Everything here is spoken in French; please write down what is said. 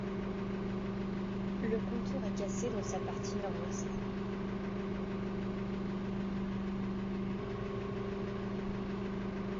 Le contour est cassé dans sa partie nord-ouest.